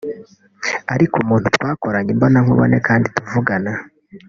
Ariko umuntu twakoranye imbonankubone kandi tuvugana